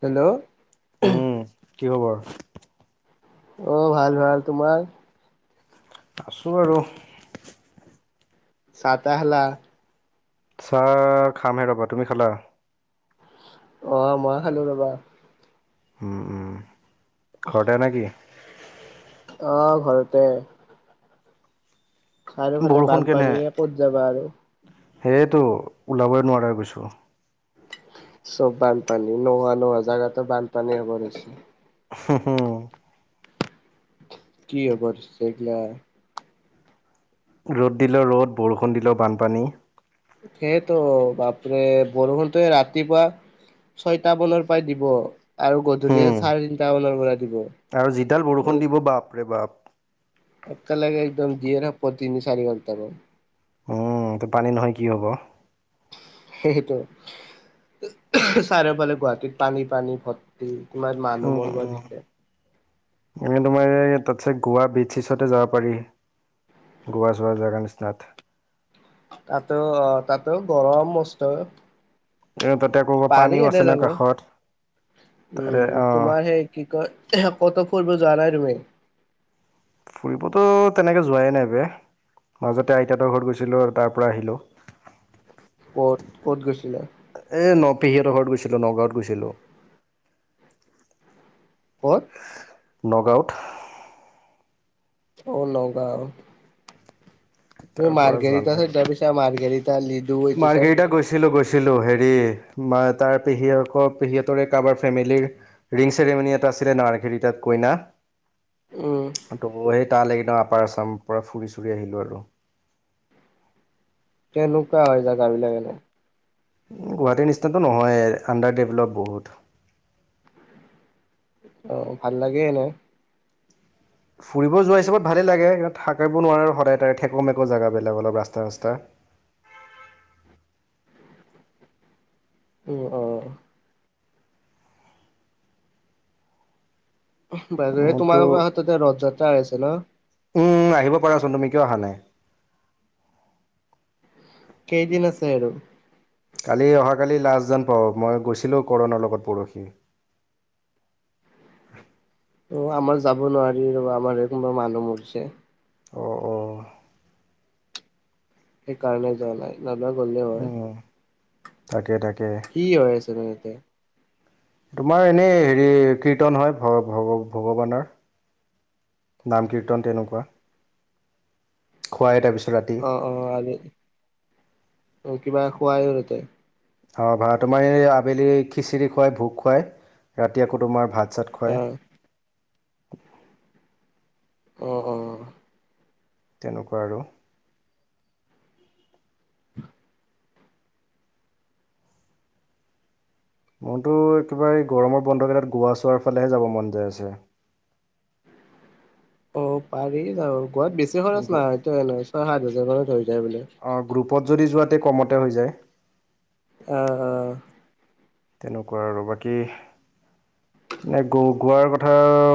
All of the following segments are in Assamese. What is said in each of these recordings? হেল্ল, উম, কি খবৰ? অ', ভাল, ভাল। তোমাৰ? আছোঁ, আৰু। চাহ, তাহ খালা? চাহ, খামহে ৰ'বা। তুমি খালা? অ', মই খালো ৰবা। উম, উম, ঘৰতে নে কি? অ, ঘৰতে। চাৰিওফালে বৰষুণ বানপানীয়ে ক'ত যাবা আৰু? সেয়েতো ওলাবই নোৱাৰা হৈ গৈছোঁ। চব বানপানী নোৱা, নোৱা জাগাতো বানপানী হ'ব ধৰিছে। [inaudible] কি হ'বা ধৰিছে, এই গিলা। ৰ'দ দিলেও ৰ'দ। বৰষুণ দিলে বানপানী। তাকেইটো, বাপৰে বৰষুণটো এ, ৰাতিপুৱা ছয়টা বলৰ পৰাই দিব আৰু গধূলিয়ে উম, চাৰে তিনিটা মানৰ পৰা দিব। আৰু যি ডাল বৰষুণ দিব, বাপৰে, বাপ। এক লাগে একদম দিয়ে নহয়, প্ৰতিদিন চাৰি ঘণ্টাকৈ। অ, তো, পানী নহয় কি হ'ব। সেইটো, চাৰিওফালে গুৱাহাটীত পানী, পানী ভত তোমাৰ মানুহ উম, মৰব উম। দিছে। এনে তোমাৰ এই তাতছে গোৱা বিডছ-চিচতে যাব পাৰি। গোৱা-চোৱা জাগা নিচিনাত। তাতো অ, তাতো গৰম মষ্ট। এ, তাতে আকৌ পাৰি পানীও এনে আছে ন যাব। কাষত। উম, তাৰে অ'। তোমাৰ সেই। কি কয়, ক'ত ফুৰিব যোৱা নাই তুমি? ফুৰিবতো তেনেকে যোৱাই নাই বে। মাজতে আইতাতৰ ঘৰত গৈছিলোঁ, তাৰ পৰা আহিলোঁ। ক'ত, ক'ত গৈছিলা? এ, ন, পেহীহঁতৰ ঘৰত গৈছিলো, নগাওঁত গৈছিলো। ক'ত? নগাঁওত। অ, নগাঁও। তাৰ ত, পৰা যোৱা মাৰ্ঘেৰিটা নাই লৈ আৰু যায় পাইছা, মাৰ্ঘেৰিটা লি মাৰ্ঘেৰিটা গৈছ গৈছিলোঁ, গৈছিলোঁ, হেৰি মা তাৰ পেহীকৰ, পেহীহঁতৰে কাৰোবাৰ ফেমিলিৰ ৰিং চেৰিমনী এটা আছিলে না, মাৰ্ঘেৰিটাত কইনা। অ, ত, গৈয়ে তালৈ একদম, আপাৰ আছামৰ পৰা ফুৰি-চুৰি আহিলোঁ আৰু। কেনেকুৱা হয়, জেগা বিলাক এনেই? গুৱাহাটীৰ নিচিনাটো নহয়েই, আণ্ডাৰ ডেভলপ বহুত। অ, ভাল লাগে এনে। ফুৰিব যোৱা হিচাপত ভালেই লাগে। কিন্তু থাকিব নোৱাৰি সদায় তাৰে ঠেকু' মেকু' জেগা বিলাক অলপ ৰাস্তা, ৰাস্তা। ওম অঁ। বাইদাৱে তোমাৰ মোৰতো হতৰ তাতে ৰথ যাত্ৰা হৈ আছে ন? উম, উম্, আহিব পাৰা চোন তুমি, কিয় অহা নাই? কেইদিন আছে আৰু? কালি অহাকালি লাষ্টযেন পাওঁ! মই গৈছিলোঁ কৰণৰ লগত পৰহি। অ', আমাৰ যাব নোৱাৰি ৰ'বা আমাৰ এই কোনোবা মানুহ মৰিছে। অ অ। সেইকাৰণে যোৱা নাই। নহলে গ'লো হয়। উম তাকে, তাকে, কি হৈ আছে নো ইয়াতে? তোমাৰ এনেই হেৰি কীৰ্তন হয় ভ-ভ-ভগৱানৰ। নাম কীৰ্তন তেনেকুৱা। খোৱাই তাৰপিছত ৰাতি। অ অ, ৰাতি কিবা খোৱাই ও তাতে? অ', ভা তোমাৰ এই আবেলি খিচিৰি খুৱাই, ভোক খুৱাই ৰাতি আকৌ তোমাৰ ভাত চাত খুৱাই অ। অঁ অঁ। তেনেকুৱা আৰু। মোৰতো একেবাৰে এই গৰমৰ বন্ধকেইটাত গোৱা চোৱাৰ ফালেহে যাব মন যায় আছে। অ পাৰি যাব গোৱাত বেছি খৰছ নাই। নহয়, ছয় সাত হাজাৰ মানত হৈ যায় বোলে। অঁ গ্ৰুপত যদি যোৱাতে কমতে হৈ যায়। অ অ। তেনেকুৱা আৰু বাকী। নে গো গোৱাৰ কথা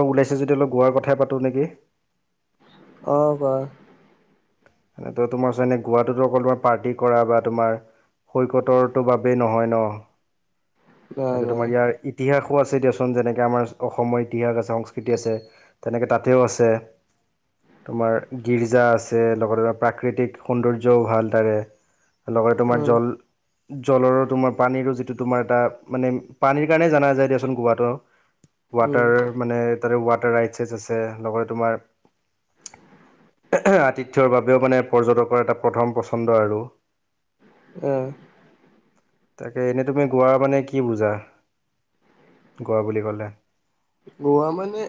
ওলাইছে যদি অলপ গোৱাৰ কথাই পাতোঁ নেকি? অ কোৱা। এনেই তো তোমাৰ যেনে গোৱাটোতো অকল তোমাৰ পাৰ্টি কৰা বা তোমাৰ [unintelligible] বাবেই নহয় ন কোৱা নাই সেইটো নাই তোমাৰ ইয়াৰ ইতিহাসো আছে দিয়কচোন যেনেকে আমাৰ অসমৰ ইতিহাস আছে সংস্কৃতি আছে। তেনেকে তাতেও আছে তোমাৰ গীৰ্জা আছে লগত প্ৰাকৃতিক সৌন্দৰ্যও ভাল তাৰে, লগতে তোমাৰ উম জল জলৰো তোমাৰ পানীৰো যিটো তোমাৰ এটা মানে পানীৰ কাৰণে জনা যায় দিয়াচোন গোৱাটো। উম ৱাটাৰ, মানে তাতে ৱাটাৰ ৰাইটছেচ আছে, লগতে তোমাৰ আটিত- ছৰ বাবেও মানে পৰ্যটকৰ এটা প্ৰথম পছন্দ আৰু। অঁ। তাকে এনেই তুমি গোৱা মানে কি বুজা? গোৱা বুলি ক'লে? গোৱা মানে,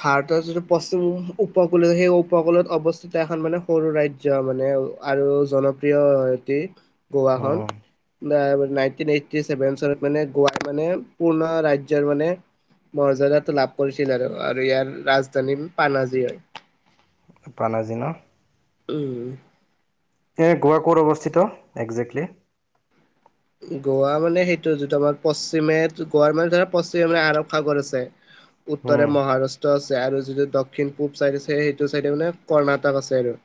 ভাৰতৰ যিটো পশ্চিম উপকূল সেই উপকূলত অৱস্থিত এখন মানে সৰু ৰাজ্- জ্য মানে আৰু জনপ্ৰিয় অতি গোৱখন। উম নাইনটিন এইটটি ছেভেন চনত মানে গোৱাক মানে পূৰ্ণ ৰাজ্যৰ মানে মৰ্য্যাদা টো লাভ কৰিছিল আৰু, আৰু ইয়াৰ ৰাজধানী পানাজী হয়। পানাজী ন? উম। এ গোৱা ক'ত অৱস্থিত একজেক্টলি? গোৱা মানে সেইটো যিটো আমাৰ পশ্চিমে তো গোৱা মানে ধৰা পশ্চিমে মানে আৰৱ সাগৰ আছে। উত্তৰে উম মহাৰাষ্ট্ৰ আছে আৰু যিটো দক্ষিণ পূব চাইড আছে, সেইটো চাইডে মানে কৰ্ণাটক আছে আৰু।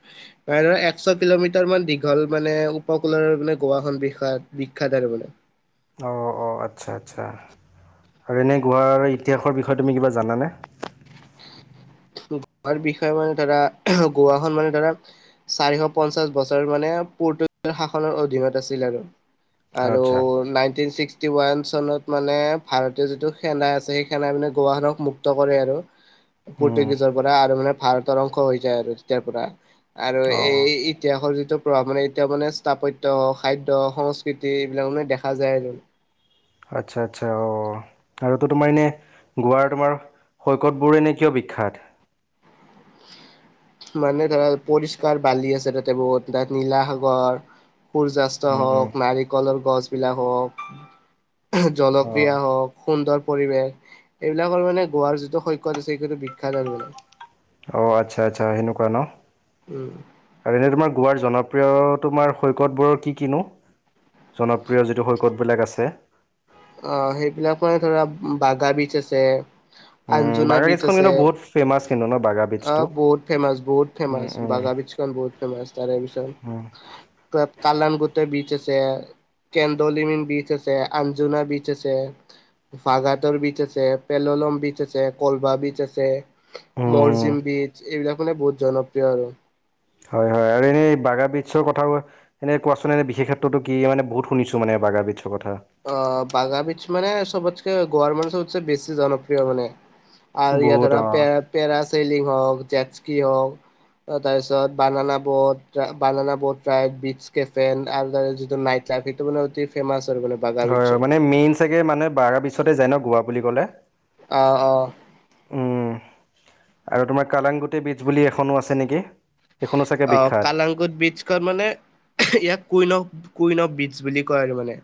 মানে ধৰা একশ কিলোমিটাৰ মান দীঘল মানে উপকূলৰ মানে গোৱাখন বিশাল। বিখ্যাত আৰু বোলে। অঁ অ আচ্ছা আচ্ছা, আৰু এনেই গোৱাৰ ইতিহাসৰ বিষয়ে তুমি কিবা জানানে? গোৱাৰ বিষয়ে মানে ধৰা গোৱাখন মানে ধৰা চাৰিশ পঞ্চাশ বছৰ মানে পৰ্তুগী শাসনৰ অধীনত আছিল আৰু। আৰু আচ্ছা নাইনটিন চিক্স টি ওৱান চনত মানে ভাৰতীয় যিটো সেনা আছে, সেই সেনাই মানে গোৱাখনক মুক্ত কৰে আৰু। উম পৰ্টুগীজৰ পৰা আৰু মানে ভাৰতৰ অংশ হৈ যায় আৰু তেতিয়াৰ পৰা। আৰু অঁ অঁ এই ইতিহাসৰ যিটো প্ৰভাৱ মানে এতিয়া মানে স্থাপত্য সাহিত্য সংস্কৃতি এইবিলাক মানে দেখা যায় আৰু। আচ্ছা আচ্ছা, অ আৰু তো তোমাৰ এনে গোৱাৰ তোমাৰ শৈকতবোৰ এনেই কিয় বিখ্যাত? মানে ধৰা পৰিষ্কাৰ বালি আছে তাতে বহুত, তাত নীলা সাগৰ সূৰ্যাস্ত উম উম হওঁক, নাৰিকলৰ গছবিলাক হওঁক। অঁ জলক্ৰিয়া হওক, সুন্দৰ পৰিৱেশ, এইবিলাকৰ মানে গোৱাৰ যিটো শৈকত আছে, সেইটো সেইটো বিখ্যাত আৰু মানে। অঁ আচ্ছা আচ্ছা, সেনেকুৱা ন। উম। আৰু এনেই তোমাৰ গোৱাৰ জনপ্ৰিয় তোমাৰ শৈকতবোৰৰ কি কি নো? জনপ্ৰিয় যিটো শৈকতবিলাক আছে। অঁ সেইবিলাকৰ ধৰা বাগা বীচ আছে। উম আঞ্জুনা বাগা বিজচ বীজখন কিন্তু আছে। বহুত [inaudible] অঁ বহুত ফেমাছ বহুত উম ফেমাছ বাগা বিজছ খন বহুত ফেমাছ তাৰে পিছত। অঁ। ত কালান গুটে বীজচ আছে, কেন্দলিমিন বীজচ আছে আ জুনা বিচ আছে। বাগাতৰ বীজচ আছে পেললম বীজচ আছে কলভা বীজচ আছে। উম উম মৰজিম বীজছ এইবিলাক মানে বহুত জনপ্ৰিয় আৰু। হয় হয় আৰু এনেই বাগা বীজছৰ কথায়ো এনেই কোৱাচোন এনে বিশেষ কেত্ৰতো কি মানে বহুত শুনিছোঁ মানে বাগা বিজছৰ কথা। অঁ বাগাবীজছ মানে চবতকে গৱাৰ মানুহতচে বেছি জনপ্ৰিয় মানে। আৰু ইয়াত বহুত ধৰা অ পেৰ পেৰা চেলিং হওঁক, জেডকী হওঁক। তাৰপিছত banana boat, banana boat right, beaches কেফেন আৰু তাৰে যিটো নাইট পাৰ্টিটো মানে অতি ফেমাছ আৰু। বাগা হয় হয় বিচৰ মানে মেইন চাগে মানে বাগা বীজছতে যায় ন গোৱা বুলি কলে। অঁ অ। উম, ‌ আৰু তোমাৰ কালাংগুটি বীজ বুলি এখনো আছে নেকি। সেইখনো চাগে অ বিখ্যাত কালং বিজ মানে ইয়াক queen of queen of beach বুলি কয় আৰু মানে।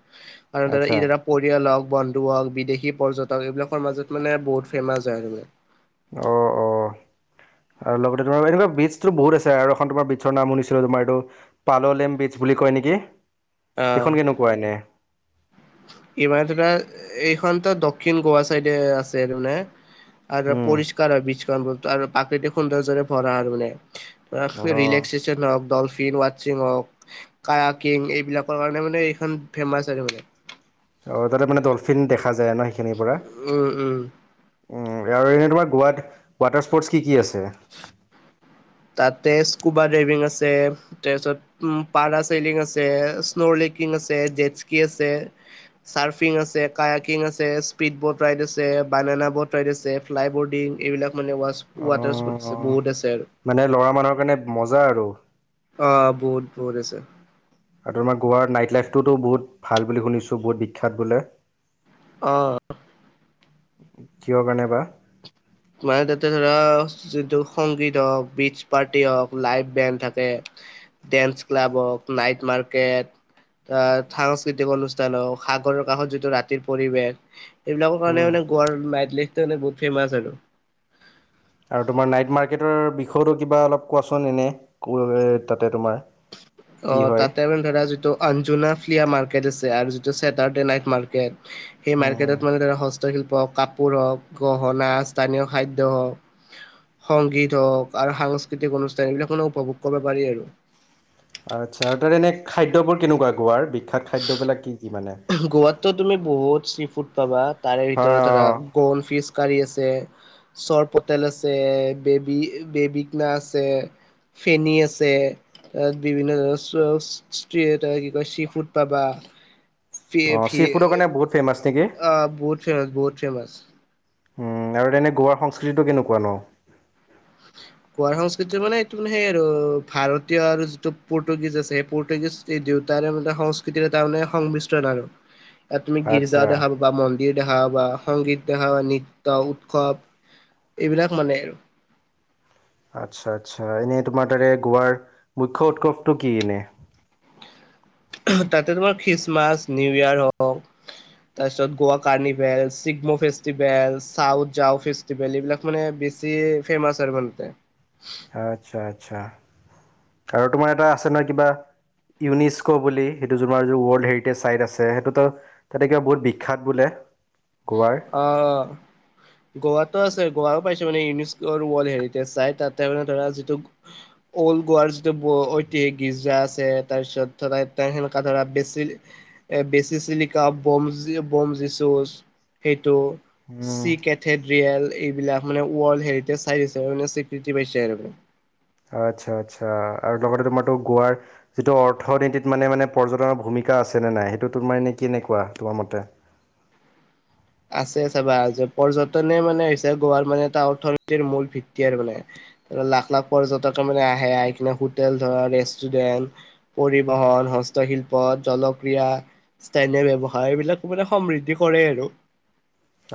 আৰু ধৰা আচ্ছা ই ধৰক পৰিয়াল হওঁক, বন্ধু হওঁক, বিদেশী পৰ্যটক এইবিলাকৰ মাজত মানে বহুত ফেমাছ হয় আৰু। অ অ। আৰু লগতে তোমাৰ এনেকুৱা বিজছো বহুত আছে আৰু এখন তোমাৰ বিজৰ নাম শুনিছিলোঁ তোমাৰ এইটো পাডলেম বীজ বুলি কয় নেকি? অ সেইখন কেনেকুৱা এনে? ইমান ধৰা এইখনতো দক্ষিণ গোৱা চাইডে আছে তাৰমানে আৰু উম পৰিষ্কাৰ হয় বি আৰু প্ৰাকৃতিক সৌন্দৰ্যৰে ভৰা হয় অঁ মান হওক, ডলফিন ৱচিং হওক, কা কিং এইবিলাকৰ কাৰণে মানে এইখন ফেমাছ আৰু মানে। অ তাতে মানে ডলফিন দেখা যায় ন সেইখিনিৰ পৰা? উম উম ইয়াৰ এনে তোমাৰ গোৱাত ৱাটাৰ স্পৰ্টছ কি কি আছে? তাতে স্কুবা ড্ৰাইভিং আছে, তাৰপিছত উ পাৰা চলিং আছে, স্ন' লেকিং আছে, জেচ্কি আছে, চাৰ্ফিং আছে, কায়াকিং আছে, স্পীড বট ৰাইড আছে, বানানা বট ৰাইড আছে, ফ্লাই বৰ্ডিং এইবিলাক মানে ৱাটাৰ স্পৰ্ট আছে অঁ বহুত আছে আৰু। মানে ল'ৰা মানুহৰ কাৰণে মজা আৰু। অ বহুত বহুত আছে। আৰু তোমাৰ গোৱাৰ নাইট লাইফটোতো বহুত ভাল বুলি শুনিছোঁ বহুত বিখ্যাত বোলে। অ। কিহৰ কাৰণে বা? মানে তাতে ধৰা যিটো সংগীত হওঁক, বিচ্চ পাৰ্টি হওঁক, লাইভ বেণ্ড থাকে ডেন্স ক্লাব হওঁক, নাইট মাৰ্কেট আহ সাংস্কৃতিক অনুষ্ঠান হওঁক, সাগৰৰ কাষত যিটো ৰাতিৰ পৰিৱেশ এইবিলাকৰ কাৰণে উম, মানে গোৱাৰ নাইট লেড মানে বহুত ফেমাছ আৰু। আৰু তোমাৰ নাইট মাৰ্কেটৰ বিষয়েতো কিবা অলপ কোৱাচোন এনে তাতে তোমাৰ। অ কি হয় তাতে মানে ধৰা যিটো অঞ্জুনা ফ্লিয়া মাৰ্কেট আছে আৰু যিটো চেটাৰডে নাইট মাৰ্কেট সেই উম, উম, মাৰ্কেটত মানে হস্তশিল্প, কাপোৰ হওক, গহনা, স্থানীয় খাদ্য হওঁক, সংগীত হওক আৰু সাংস্কৃতিক অনুষ্ঠান এইবিলাক উপভোগ কৰিব পাৰি আৰু। আচ্ছা তাৰ এনে খাদ্যবোৰ কেনেকুৱা গোৱাৰ বিখ্যাত খাদ্যবিলাক কি কি মানে? গোৱাতো তুমি বহুত চি ফুড পাবা তাৰে ভিতৰত ধৰা অঁ কৰ্ণ ফিচ কাৰী আছে, চৰ পটেল আছে, বেবী বেবীকনা আছে, ফেনী আছে, ত বিভিন্ন ধৰণৰ কি কয় চি ফুড পাবা। অ চি ফুডৰ কাৰণ বহুত ফেমাচ নেকি? অ বহুত ফেমাচ বহুত ফেমাচ। উম আৰু তেনে গোৱাৰ সংস্কৃতিটো কেনেকুৱা ন? [unintelligible] গোৱা সংস্কৃতিৰ মানে এইটো মানে সেই আৰু ভাৰতীয় আৰু যিটো পৰ্টুগিজ আছে সেই পৰটুগিজ এই দেউতাৰে মানে সংস্কৃতিৰে তাৰমানে সংমিশ্ৰণ আৰু। [inaudible] এত তুমি গীৰ্জা আচ্ছা দেখা পাবা‌ মন দেখা পাবা, সংগীত দেখা বা নৃত্য, উৎসৱ এইবিলাক মানে আৰু। আচ্ছা আচ্ছা। এনেই তোমাৰ তাৰে গোৱাৰ মুখ্য উৎসৱটো কি এনে? তাতে তোমাৰ খ্ৰীষ্টমাছ, নিউ ইয়োৰ হওক তাৰপিছত Goa carnival, Shigmo festival, Sao Joao festival বিলাক মানে বেছি ফেমাচ আৰু [unintelligible] আচ্ছা, আচ্ছা আৰু তোমাৰ এটা আছে ন' কিবা। ইউনিস্কো বুলি সেইটো [unintelligible] ৱৰ্ল্ড হেৰিটেজ চাইট আছে সেইটোতো তাতে কিবা বহুত বিখ্যাত বোলে গোৱাৰ? অ' গোৱাতো আছে, গোৱাও পাইছোঁ, মানে ইউনিস্কো ৱৰ্ল্ড হেৰিটেজ চাইট, তাতে মানে ধৰা যিটো অল্ড গোৱাৰ যিটো ব-ঐতিহাসিক গীৰ্জা আছে, তাৰপিছত ধৰা সেনেকা ধৰা বেছি এ, বেচিচিলিকা, বম-বম যিছুজ সেইটো। উম, চি কেথেড্ৰিয়েল এইবিলাক মানে ৱৰ্ল্ড হেৰিটেজ চাইট, হিচাপে স্বীকৃতি পাইছে আৰু। আচ্ছা, আচ্ছা আৰু লগতে তোমাৰতো গোৱাৰ যিটো অৰ্থনীতিত মানে, মানে পৰ্যটনৰ ভূমিকা আছেনে নাই? সেইটো তোমাৰ এনে কেনেকুৱা তোমাৰ মতে? আছে চাবা যে, পৰ্যটনে মানে হৈছে গোৱাৰ মানে এটা অৰ্থনীতিৰ মূল ভিত্তি আৰু মানে। লাখ, লাখ পৰ্যটকে মানে আহে, আহি কিনে হোটেল ধৰা ৰেষ্টুৰেণ্ট পৰিবহন, হস্তশিল্প, জলক্ৰিয়া। স্থানীয় ব্যৱসায়, এইবিলাক মানে সমৃদ্ধি কৰে আৰু।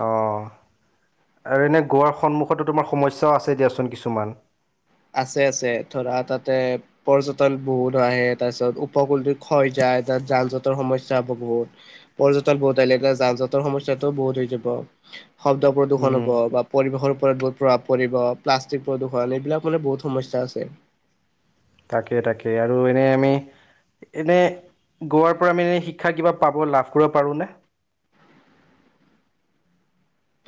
অ', আৰু এনেই গোৱাৰ সন্মুখতো তোমাৰ সমস্যাও আছে দিয়াচোন কিছুমান। আছে, আছে ধৰা তাতে পৰ্যটন বহুত আহে, তাৰপিছত উপকূলটো ক্ষয় যায়, তাত যান জঁটৰ সমস্যা হ'ব বহুত। পৰ্যটন বহুত আহিলে তিয়া যান জঁটৰ সমস্যাটো বহুত হৈ যাব। শব্দ প্ৰদূষণ উম। হ'ব, বা পৰিবেশৰ ওপৰত বহুত প্ৰভাৱ পৰিব, প্লাষ্টিক প্ৰদূষণ এইবিলাক মানে বহুত সমস্যা আছে। তাকে, তাকে, আৰু এনেই আমি এনেই গোৱাৰ পৰা আমি এনে শিক্ষা কিবা পাব লাভ কৰিব পাৰোঁনে?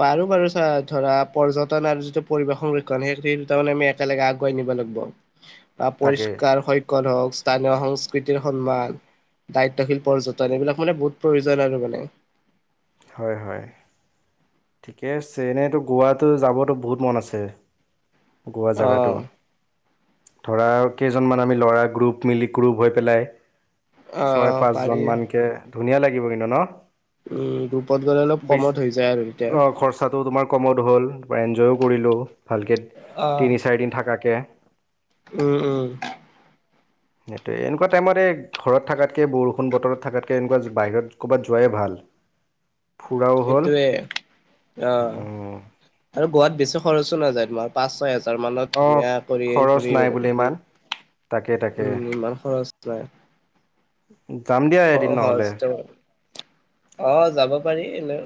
পাৰোঁ বাৰু ছাৰ ধৰা পৰ্যটন আৰু যিটো পৰিবেশ সংৰক্ষণ সেই, সেই দুটা মানে আমি একেলগে আগুৱাই নিব লাগিব। বা তাকে। পৰিষ্কাৰ [unintelligible] হওঁক, স্থানীয় সংস্কৃতিৰ সন্মান। দায়িত্বশীল পৰ্যটন, এইবিলাক মানে বহুত প্ৰয়োজন আৰু মানে। হয়, হয়। ঠিকে আছে, এনেইতো গোৱাটো যাবতো বহুত মন আছে। গোৱা অ জেগাটো। ধৰা কেইজনমান আমি ল'ৰা গ্ৰুপ, মিলি গ্ৰুপ হৈ পেলাই। অ ছয়, অ পাঁচজন পাৰি মানকে ধুনীয়া লাগিব কিন্তু ন? উম, গ্ৰুপত গ'লে অলপ বেছি কমত হৈ যায় আৰু এতিয়া। অ খৰচাটো তোমাৰ কমত হ'ল, এনজয়ো কৰিলোঁ ভালকে, অ'। তিনি, চাৰিদিন থাকাকে উম, উম। সেইটোৱে এনেকুৱা টাইমত এই ঘৰত থাকাতকে বৰষুণ বতৰত থাকাতকে এনেকুৱা বাহিৰত ক'ৰবাত যোৱাই ভাল। ফুৰাও হ'ল সেইটোয়ে অ', উম আৰু গোৱাত বেছি খৰচো নাযায় তোমাৰ পাঁচ, ছয় হেজ তৰ মানত অ ধুনীয়া কৰি খৰচ ঘূৰি, আহিব‌ নাই বোলে ইমান পাৰি। তাকে তাকে উম, ইমান খৰচ নাই। [unintelligible] নহ'লে সহজতে হয়, অ', যাব পাৰি এনে।